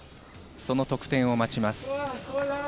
その得点を待ちます。